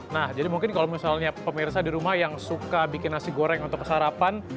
nah jadi mungkin kalau misalnya pemirsa di rumah yang suka bikin nasi goreng untuk kesarapan